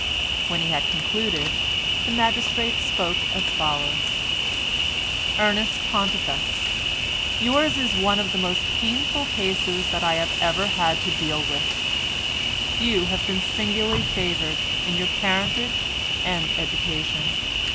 When he had concluded, the magistrate spoke as follows: "Ernest Pontifex, yours is one of the most painful cases that I have ever had to deal with. You have been singularly favoured in your parentage and education.